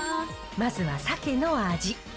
まずはサケの味。